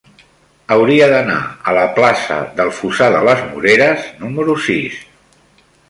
Hauria d'anar a la plaça del Fossar de les Moreres número sis.